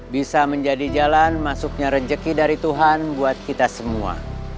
bisa menjadi jalan masuknya rezeki dari tuhan buat kita semua